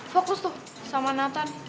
fokus tuh sama nathan